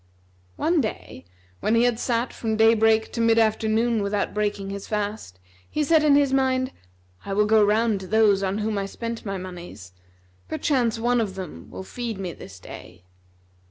One day, when he had sat from day break to mid afternoon without breaking his fast, he said in his mind, "I will go round to those on whom I spent my monies: perchance one of them will feed me this day."